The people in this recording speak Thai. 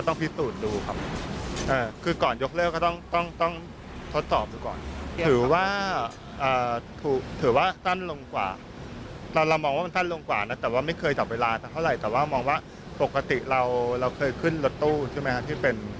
ที่เป็นขึ้นทางด่วนอย่างนี้